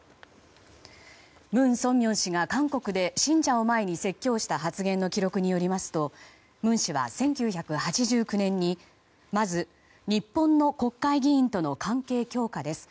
文鮮明氏が韓国で信者を前に説教した発言の記録によりますと文氏は１９８９年にまず、日本の国会議員との関係強化です。